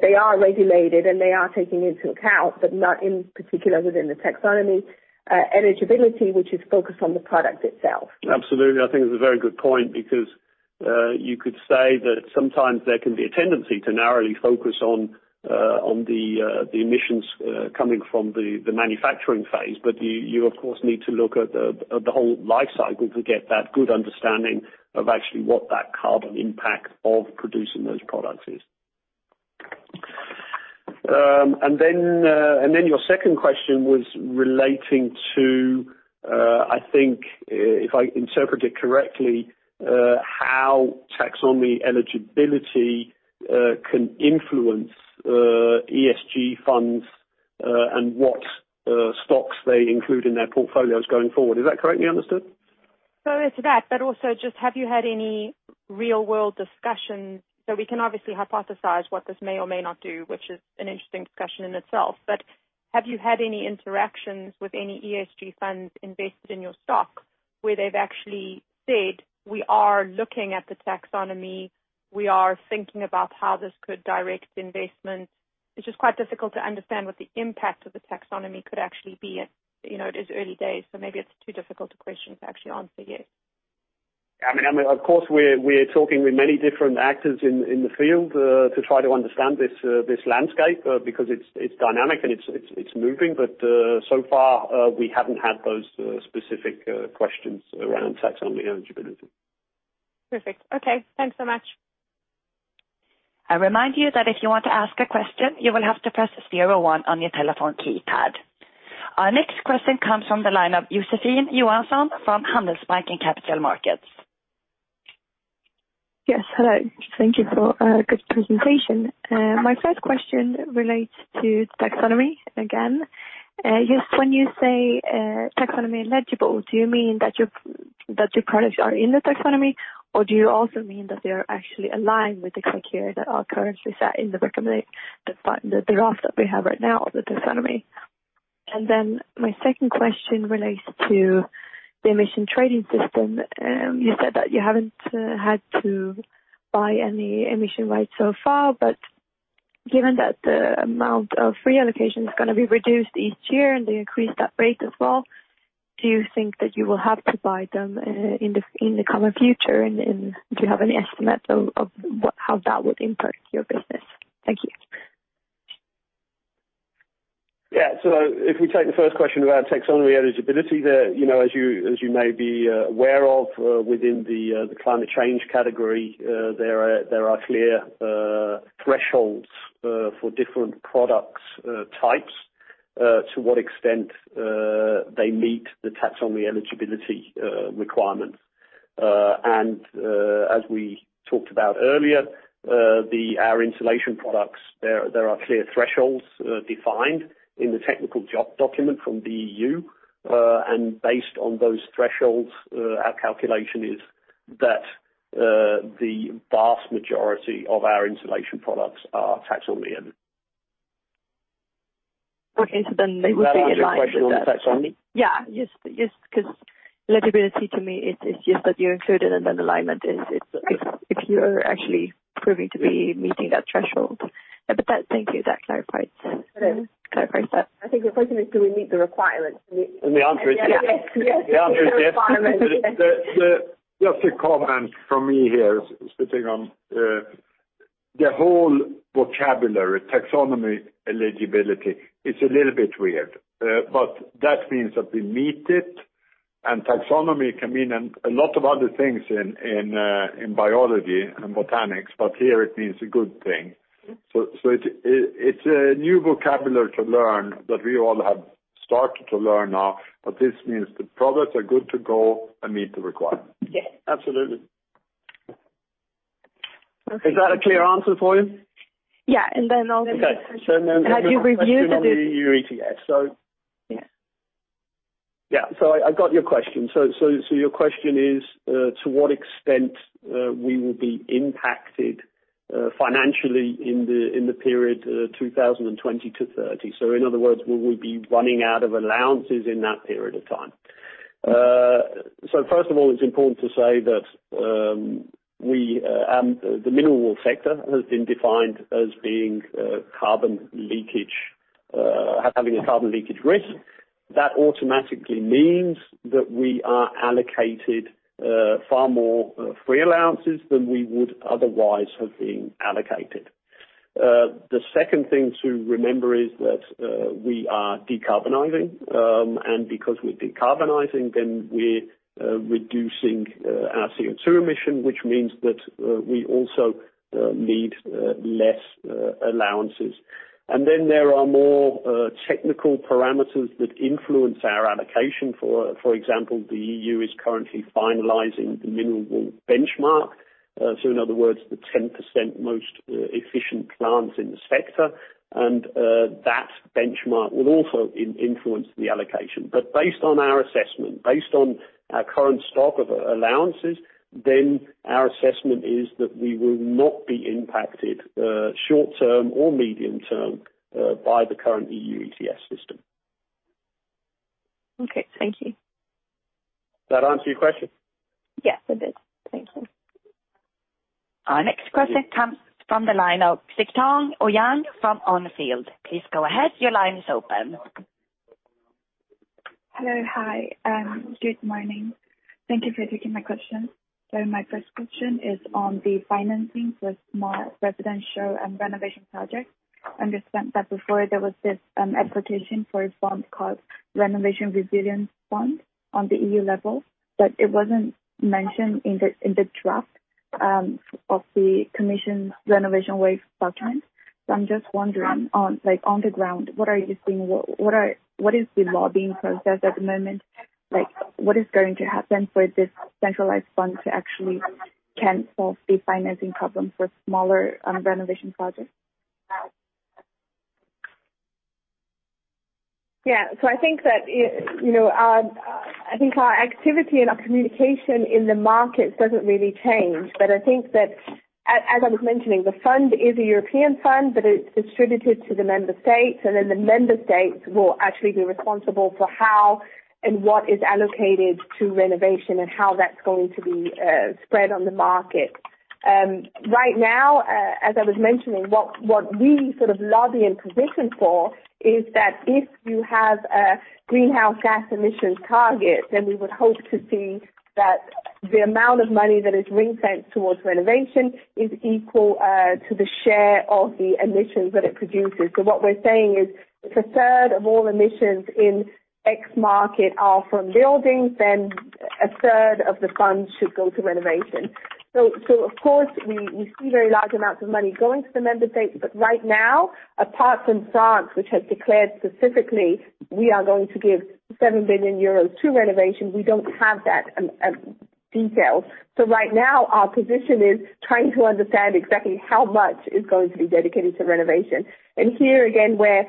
[SPEAKER 8] they are regulated and they are taken into account, but not in particular within the taxonomy eligibility, which is focused on the product itself.
[SPEAKER 5] Absolutely. I think it's a very good point because you could say that sometimes there can be a tendency to narrowly focus on the emissions coming from the manufacturing phase. But you, of course, need to look at the whole life cycle to get that good understanding of actually what that carbon impact of producing those products is. And then your second question was relating to, I think, if I interpret it correctly, how taxonomy eligibility can influence ESG funds and what stocks they include in their portfolios going forward. Is that correctly understood?
[SPEAKER 8] Correlated to that, but also just have you had any real-world discussion? So we can obviously hypothesize what this may or may not do, which is an interesting discussion in itself. But have you had any interactions with any ESG funds invested in your stock where they've actually said, "We are looking at the taxonomy. We are thinking about how this could direct investment"? It's just quite difficult to understand what the impact of the taxonomy could actually be at its early days. So maybe it's too difficult a question to actually answer yet.
[SPEAKER 2] I mean, of course, we're talking with many different actors in the field to try to understand this landscape because it's dynamic and it's moving. But so far, we haven't had those specific questions around taxonomy eligibility.
[SPEAKER 1] Perfect. Okay. Thanks so much. I remind you that if you want to ask a question, you will have to press 01 on your telephone keypad. Our next question comes from the line of Josefin Johansson from Handelsbanken Capital Markets.
[SPEAKER 9] Yes. Hello. Thank you for a good presentation. My first question relates to taxonomy again. Just when you say taxonomy eligible, do you mean that your products are in the taxonomy, or do you also mean that they are actually aligned with the criteria that are currently set in the draft that we have right now of the taxonomy? And then my second question relates to the emissions trading system. You said that you haven't had to buy any emission rights so far. But given that the amount of reallocation is going to be reduced each year and they increase that rate as well, do you think that you will have to buy them in the coming future? And do you have any estimates of how that would impact your business? Thank you.
[SPEAKER 2] Yeah. So if we take the first question about taxonomy eligibility, as you may be aware of, within the climate change category, there are clear thresholds for different product types to what extent they meet the taxonomy eligibility requirements. And as we talked about earlier, our insulation products, there are clear thresholds defined in the technical guidance document from the EU. And based on those thresholds, our calculation is that the vast majority of our insulation products are taxonomy eligible.
[SPEAKER 9] Okay. They would be aligned
[SPEAKER 2] with the taxonomy?
[SPEAKER 9] Yeah. Just because eligibility to me is just that you include it and then alignment is if you're actually proving to be meeting that threshold. But thank you. That clarifies that.
[SPEAKER 3] I think the question is, do we meet the requirements?
[SPEAKER 5] The answer is yes. The answer is yes. Just a comment from me here, speaking on the whole vocabulary, taxonomy eligibility, it's a little bit weird. But that means that we meet it. And taxonomy can mean a lot of other things in biology and botany, but here it means a good thing. So it's a new vocabulary to learn that we all have started to learn now. But this means the products are good to go and meet the requirements. Yes. Absolutely. Is that a clear answer for you?
[SPEAKER 9] Yeah. And then also, have you reviewed the taxonomy? Yes.
[SPEAKER 2] I got your question. Your question is to what extent we will be impacted financially in the period 2020-2030? In other words, will we be running out of allowances in that period of time? First of all, it's important to say that the mineral sector has been defined as having a carbon leakage risk. That automatically means that we are allocated far more free allowances than we would otherwise have been allocated. The second thing to remember is that we are decarbonizing. Because we're decarbonizing, we're reducing our CO2 emission, which means that we also need less allowances. Then there are more technical parameters that influence our allocation. For example, the EU is currently finalizing the mineral benchmark. In other words, the 10% most efficient plants in the sector. That benchmark will also influence the allocation. But based on our assessment, based on our current stock of allowances, then our assessment is that we will not be impacted short-term or medium-term by the current EU ETS system.
[SPEAKER 9] Okay. Thank you.
[SPEAKER 2] That answer your question?
[SPEAKER 9] Yes, it did. Thank you.
[SPEAKER 1] Our next question comes from the line of Sitang Ouyang from Oldfield. Please go ahead. Your line is open.
[SPEAKER 10] Hello. Hi. Good morning. Thank you for taking my question. So my first question is on the financing for small residential and renovation projects. I understand that before there was this application for a fund called Renovation Resilience Fund on the EU level, but it wasn't mentioned in the draft of the Commission's Renovation Wave document. So I'm just wondering, on the ground, what are you seeing? What is the lobbying process at the moment? What is going to happen for this centralized fund to actually cancel the financing problem for smaller renovation projects?
[SPEAKER 3] Yeah, so I think that our activity and our communication in the markets doesn't really change, but I think that, as I was mentioning, the fund is a European fund, but it's distributed to the member states, and then the member states will actually be responsible for how and what is allocated to renovation and how that's going to be spread on the market. Right now, as I was mentioning, what we sort of lobby and position for is that if you have a greenhouse gas emissions target, then we would hope to see that the amount of money that is ring-fenced towards renovation is equal to the share of the emissions that it produces. What we're saying is if a third of all emissions in the EU market are from buildings, then a third of the funds should go to renovation. Of course, we see very large amounts of money going to the member states. Right now, apart from France, which has declared specifically, "We are going to give 7 billion euros to renovation," we don't have that detailed. Right now, our position is trying to understand exactly how much is going to be dedicated to renovation. Here again, where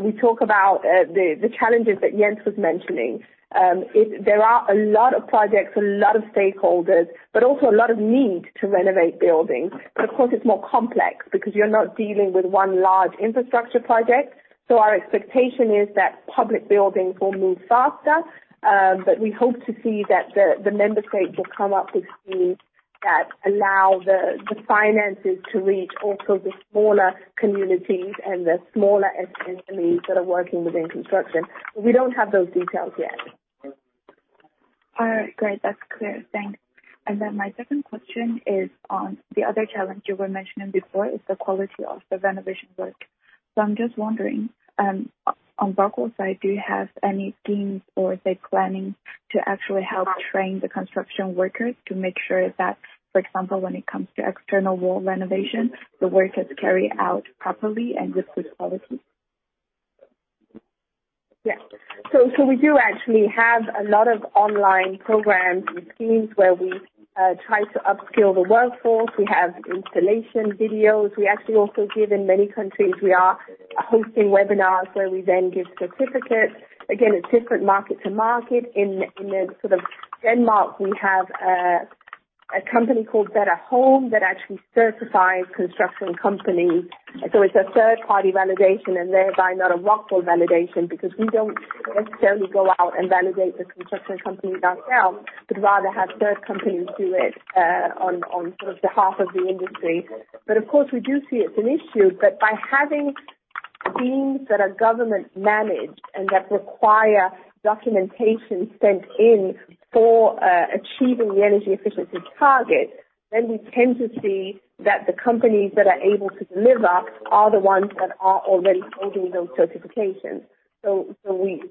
[SPEAKER 3] we talk about the challenges that Jens was mentioning, there are a lot of projects, a lot of stakeholders, but also a lot of need to renovate buildings. Of course, it's more complex because you're not dealing with one large infrastructure project. Our expectation is that public buildings will move faster. But we hope to see that the member states will come up with schemes that allow the finances to reach also the smaller communities and the smaller SMEs that are working within construction. But we don't have those details yet.
[SPEAKER 10] All right. Great. That's clear. Thanks. And then my second question is on the other challenge you were mentioning before is the quality of the renovation work. So I'm just wondering, on Rockwool side, do you have any schemes or is there planning to actually help train the construction workers to make sure that, for example, when it comes to external wall renovation, the work is carried out properly and with good quality?
[SPEAKER 3] Yeah. So we do actually have a lot of online programs and schemes where we try to upskill the workforce. We have installation videos. We actually also give in many countries. We are hosting webinars where we then give certificates. Again, it's different market to market. In sort of Denmark, we have a company called BetterHome that actually certifies construction companies. So it's a third-party validation and thereby not a Rockwool validation because we don't necessarily go out and validate the construction companies ourselves, but rather have third companies do it on sort of behalf of the industry. But of course, we do see it's an issue. But by having schemes that are government-managed and that require documentation sent in for achieving the energy efficiency target, then we tend to see that the companies that are able to deliver are the ones that are already holding those certifications. So we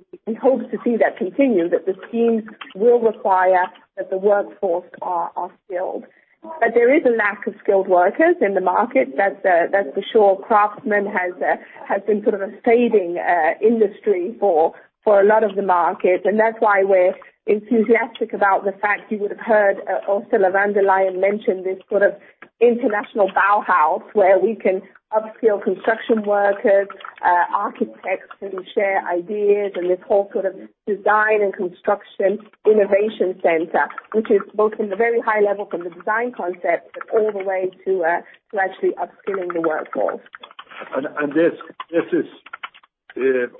[SPEAKER 3] hope to see that continue, that the schemes will require that the workforce are skilled. But there is a lack of skilled workers in the market. That's for sure. Craftsmen has been sort of a fading industry for a lot of the market. And that's why we're enthusiastic about the fact you would have heard Ursula von der Leyen mention this sort of international Bauhaus where we can upskill construction workers, architects who share ideas, and this whole sort of design and construction innovation center, which is both in the very high level from the design concept all the way to actually upskilling the workforce.
[SPEAKER 2] And this is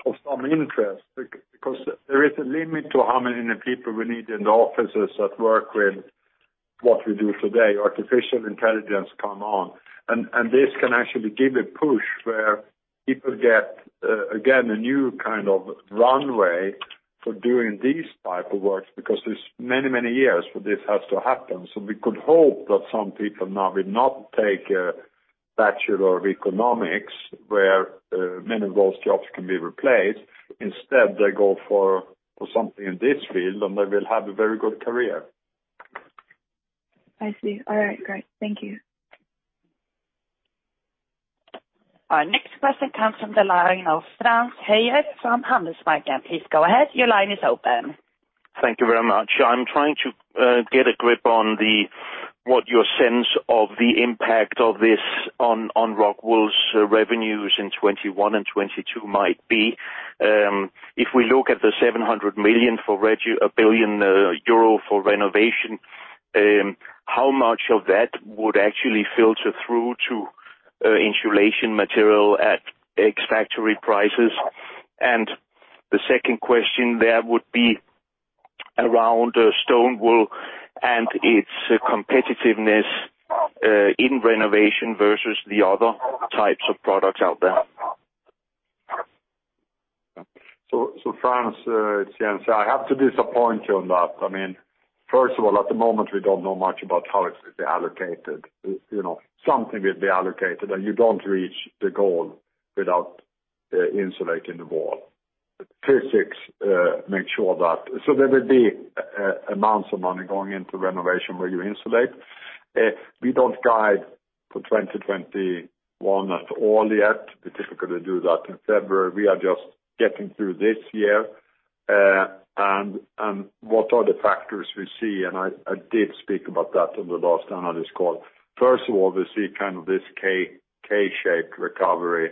[SPEAKER 2] of some interest because there is a limit to how many people we need in the offices that work with what we do today. Artificial intelligence come on. And this can actually give a push where people get, again, a new kind of runway for doing these types of work because there's many, many years for this has to happen. So we could hope that some people now will not take a bachelor of economics where many of those jobs can be replaced. Instead, they go for something in this field, and they will have a very good career. I see.
[SPEAKER 10] All right. Great. Thank you.
[SPEAKER 1] Our next question comes from the line of Frans Høyer from Handelsbanken. Please go ahead. Your line is open.
[SPEAKER 11] Thank you very much. I'm trying to get a grip on what your sense of the impact of this on Rockwool's revenues in 2021 and 2022 might be. If we look at the EUR 700 million for renovation, how much of that would actually filter through to insulation material at exact prices? And the second question there would be around stone wool and its competitiveness in renovation versus the other types of products out there.
[SPEAKER 5] So Frans, Jens, I have to disappoint you on that. I mean, first of all, at the moment, we don't know much about how it will be allocated. Something will be allocated, and you don't reach the goal without insulating the wall. Physics makes sure that so there will be amounts of money going into renovation where you insulate. We don't guide for 2021 at all yet. We typically do that in February. We are just getting through this year. And what are the factors we see? And I did speak about that on the last analyst call. First of all, we see kind of this K-shaped recovery,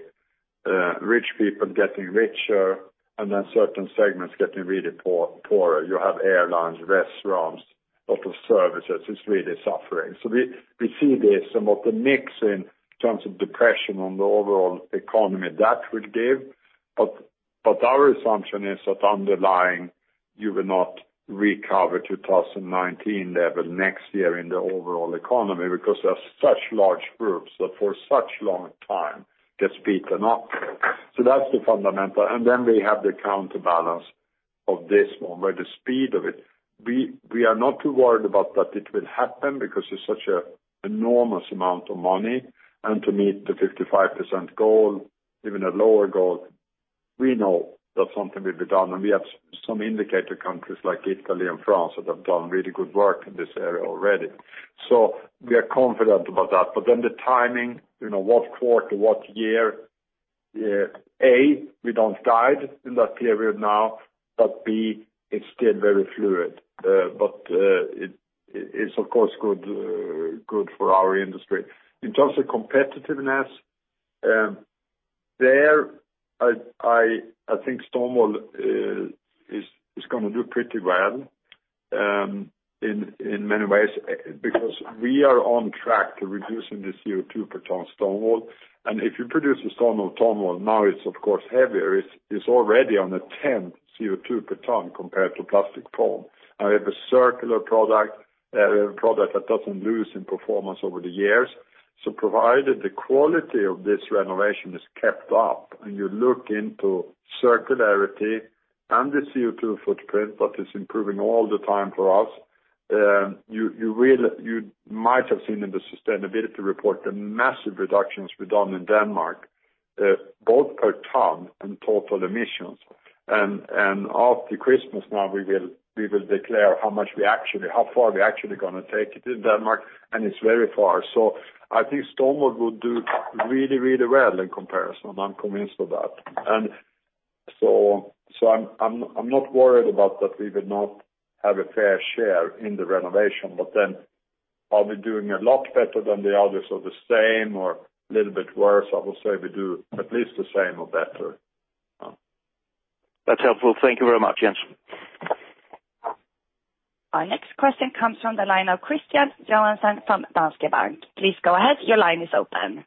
[SPEAKER 5] rich people getting richer, and then certain segments getting really poorer. You have airlines, restaurants, a lot of services. It's really suffering, so we see this, and what the mix in terms of depression on the overall economy that would give, but our assumption is that underlying you will not recover 2019 level next year in the overall economy because there are such large groups that for such long time they're speeding up, so that's the fundamental, and then we have the counterbalance of this one where the speed of it, we are not too worried about that it will happen because it's such an enormous amount of money, and to meet the 55% goal, even a lower goal, we know that's something we've done, and we have some indicator countries like Italy and France that have done really good work in this area already, so we are confident about that, but then the timing, what quarter, what year? A, we don't guide in that period now. But B, it's still very fluid. But it's, of course, good for our industry. In terms of competitiveness, there, I think stone wool is going to do pretty well in many ways because we are on track to reducing the CO2 per ton stone wool. And if you produce a ton of stone wool now, it's, of course, heavier. It's already on a 10 CO2 per ton compared to plastic foam. I have a circular product. I have a product that doesn't lose in performance over the years. So provided the quality of this renovation is kept up and you look into circularity and the CO2 footprint that is improving all the time for us, you might have seen in the sustainability report the massive reductions we've done in Denmark, both per ton and total emissions. After Christmas now, we will declare how far we're actually going to take it in Denmark. It's very far. I think stonewool will do really, really well in comparison. I'm convinced of that. I'm not worried about that we will not have a fair share in the renovation. Then are we doing a lot better than the others or the same or a little bit worse? I will say we do at least the same or better.
[SPEAKER 11] That's helpful. Thank you very much, Jens.
[SPEAKER 1] Our next question comes from the line of Christian Jensen from Danske Bank. Please go ahead. Your line is open.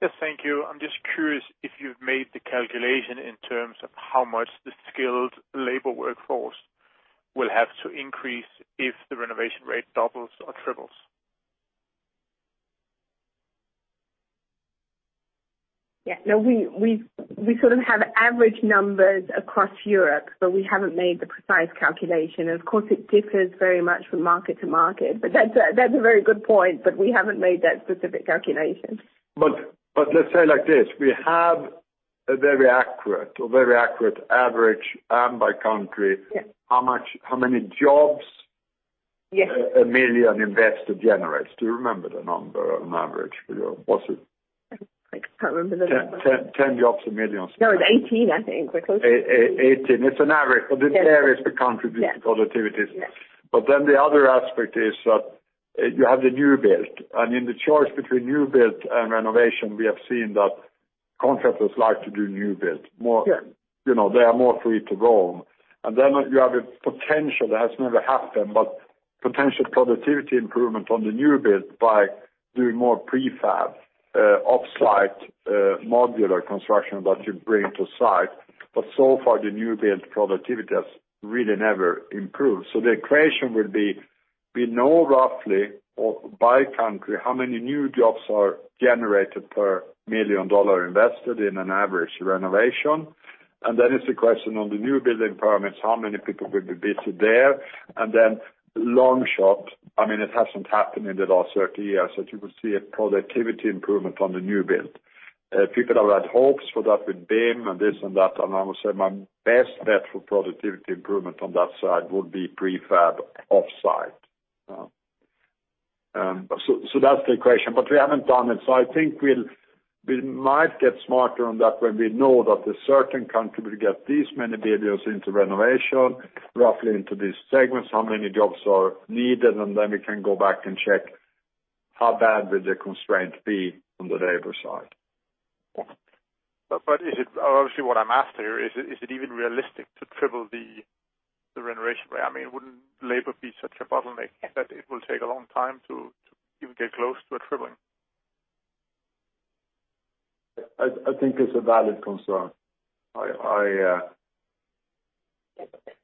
[SPEAKER 12] Yes, thank you. I'm just curious if you've made the calculation in terms of how much the skilled labor workforce will have to increase if the renovation rate doubles or triples. Yeah.
[SPEAKER 3] No, we sort of have average numbers across Europe, but we haven't made the precise calculation, and of course, it differs very much from market to market, but that's a very good point, but we haven't made that specific calculation,
[SPEAKER 5] but let's say like this. We have a very accurate or very accurate average by country. How many jobs a million investor generates? Do you remember the number on average? What's it? I can't remember the number. 10 jobs a million.
[SPEAKER 3] No, it's 18, I think. We're close.
[SPEAKER 5] 18. It's an average, but it varies by country due to productivity, but then the other aspect is that you have the new build, and in the choice between new build and renovation, we have seen that contractors like to do new build. They are more free to roam. And then you have a potential that has never happened, but potential productivity improvement on the new build by doing more prefab off-site modular construction that you bring to site. But so far, the new build productivity has really never improved. So the equation will be we know roughly by country how many new jobs are generated per $1 million invested in an average renovation. And then it's a question on the new building permits, how many people will be busy there. And then long shot, I mean, it hasn't happened in the last 30 years, that you will see a productivity improvement on the new build. People have had hopes for that with BIM and this and that. And I will say my best bet for productivity improvement on that side would be prefab off-site. So that's the equation. But we haven't done it. So I think we might get smarter on that when we know that there's certain countries will get these many billions into renovation, roughly into these segments, how many jobs are needed. And then we can go back and check how bad will the constraint be on the labor side.
[SPEAKER 12] But obviously, what I'm asking you is, is it even realistic to triple the renovation rate? I mean, wouldn't labor be such a bottleneck that it will take a long time to even get close to a tripling?
[SPEAKER 5] I think it's a valid concern. So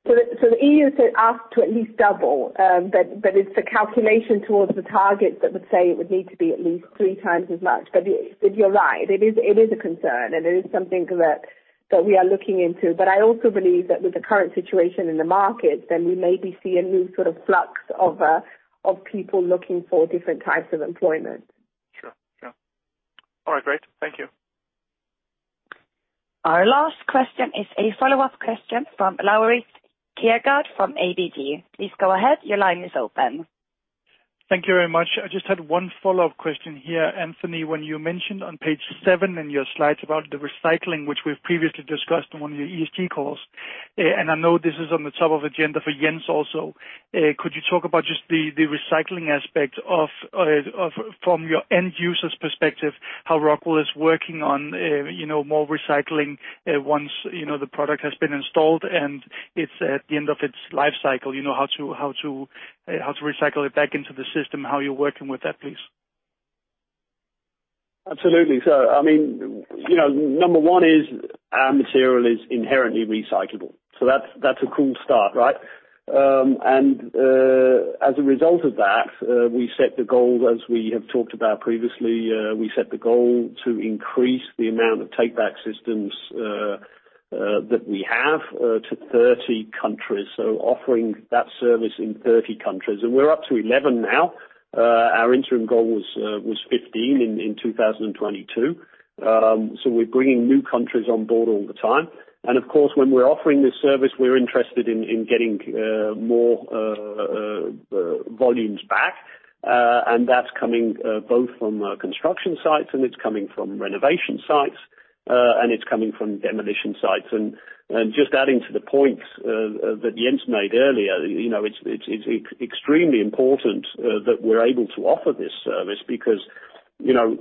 [SPEAKER 5] the EU said up to at least double. But it's a calculation towards the target that would say it would need to be at least three times as much. But you're right. It is a concern. And it is something that we are looking into.
[SPEAKER 3] But I also believe that with the current situation in the market, then we maybe see a new sort of flux of people looking for different types of employment.
[SPEAKER 12] Sure. Sure. All right. Great. Thank you.
[SPEAKER 1] Our last question is a follow-up question from Lauritz Keergaard from ABD. Please go ahead. Your line is open.
[SPEAKER 4] Thank you very much. I just had one follow-up question here. Anthony, when you mentioned on page seven in your slides about the recycling, which we've previously discussed in one of your ESG calls, and I know this is on the top of agenda for Jens also, could you talk about just the recycling aspect from your end user's perspective, how Rockwool is working on more recycling once the product has been installed and it's at the end of its life cycle, how to recycle it back into the system, how you're working with that, please?
[SPEAKER 5] Absolutely. So I mean, number one is our material is inherently recyclable. So that's a cool start, right? And as a result of that, we set the goal, as we have talked about previously, to increase the amount of take-back systems that we have to 30 countries. So offering that service in 30 countries. And we're up to 11 now. Our interim goal was 15 in 2022. So we're bringing new countries on board all the time. And of course, when we're offering this service, we're interested in getting more volumes back. And that's coming both from construction sites, and it's coming from renovation sites, and it's coming from demolition sites. And just adding to the points that Jens made earlier, it's extremely important that we're able to offer this service because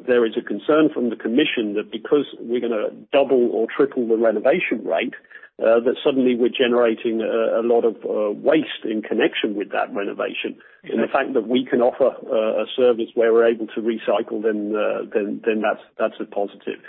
[SPEAKER 5] there is a concern from the commission that because we're going to double or triple the renovation rate, that suddenly we're generating a lot of waste in connection with that renovation. And the fact that we can offer a service where we're able to recycle, then that's a positive.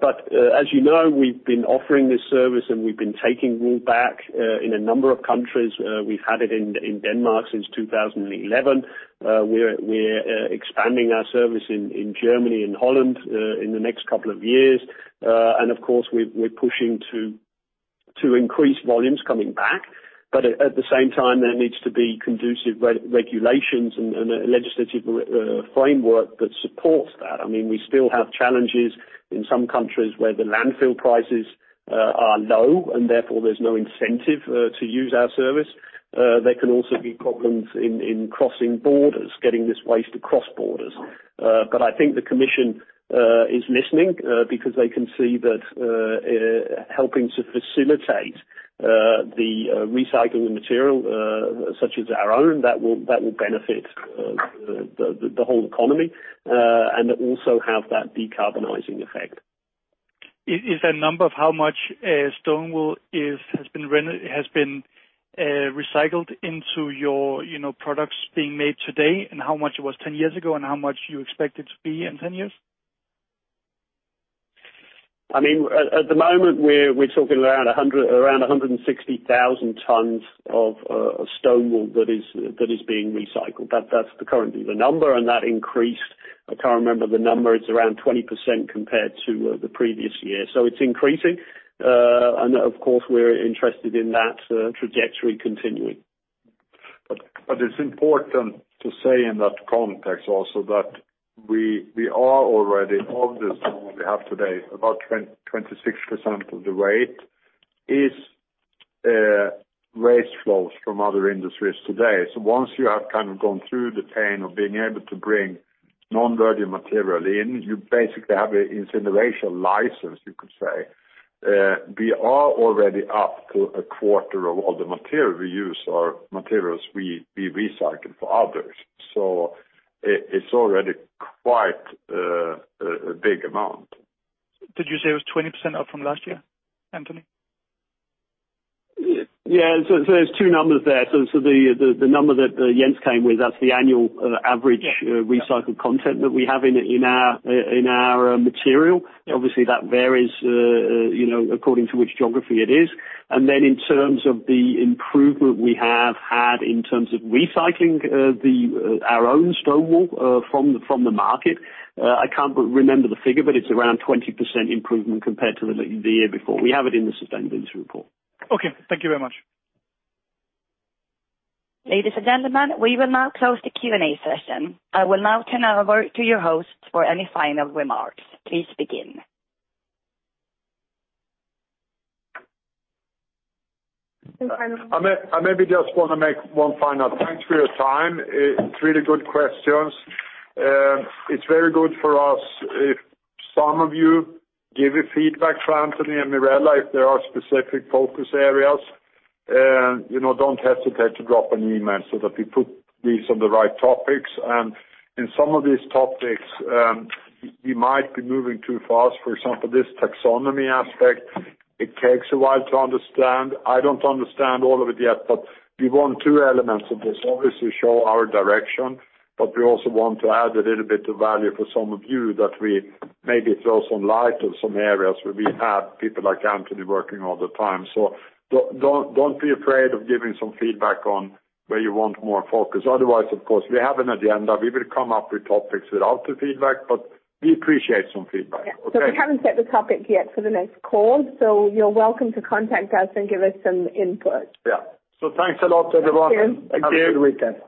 [SPEAKER 5] But as you know, we've been offering this service, and we've been taking wool back in a number of countries. We've had it in Denmark since 2011. We're expanding our service in Germany and Holland in the next couple of years. And of course, we're pushing to increase volumes coming back. But at the same time, there needs to be conducive regulations and a legislative framework that supports that. I mean, we still have challenges in some countries where the landfill prices are low, and therefore there's no incentive to use our service. There can also be problems in crossing borders, getting this waste across borders. But I think the commission is listening because they can see that helping to facilitate the recycling of material such as our own, that will benefit the whole economy and also have that decarbonizing effect.
[SPEAKER 4] Is that number of how much stonewool has been recycled into your products being made today and how much it was 10 years ago and how much you expect it to be in 10 years?
[SPEAKER 2] I mean, at the moment, we're talking around 160,000 tons of stonewool that is being recycled. That's currently the number, and that increased. I can't remember the number. It's around 20% compared to the previous year, so it's increasing, and of course, we're interested in that trajectory continuing,
[SPEAKER 5] but it's important to say in that context also that we are already of the stonewool we have today, about 26% of the weight is waste flows from other industries today, so once you have kind of gone through the pain of being able to bring non-virgin material in, you basically have an incineration license, you could say. We are already up to a quarter of all the material we use are materials we recycle for others, so it's already quite a big amount. Did you say it was 20% up from last year, Anthony? Yeah, so there's two numbers there.
[SPEAKER 4] So the number that Jens came with, that's the annual average recycled content that we have in our material. Obviously, that varies according to which geography it is. And then in terms of the improvement we have had in terms of recycling our own stonewool from the market, I can't remember the figure, but it's around 20% improvement compared to the year before. We have it in the sustainability report. Okay. Thank you very much.
[SPEAKER 1] Ladies and gentlemen, we will now close the Q&A session. I will ow turn over to your hosts for any final remarks. Please begin.
[SPEAKER 2] I maybe just want to make one final. Thanks for your time. It's really good questions. It's very good for us if some of you give your feedback, Frans and Mirella, if there are specific focus areas. Don't hesitate to drop an email so that we put these on the right topics. And in some of these topics, we might be moving too fast. For example, this taxonomy aspect, it takes a while to understand. I don't understand all of it yet, but we want two elements of this. Obviously, show our direction, but we also want to add a little bit of value for some of you that we maybe throw some light on some areas where we have people like Anthony working all the time. So don't be afraid of giving some feedback on where you want more focus. Otherwise, of course, we have an agenda. We will come up with topics without the feedback, but we appreciate some feedback.
[SPEAKER 1] Okay. So we haven't set the topic yet for the next call. So you're welcome to contact us and give us some input. Yeah.
[SPEAKER 2] So thanks a lot, everyone. Thank you. Have a good weekend.